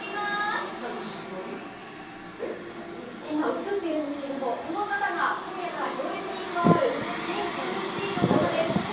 今、映っているんですけれども、この方が今夜から行列に加わる新ＭＣの方です。